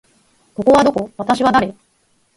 ここはどこ？私は誰？